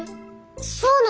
そうなの？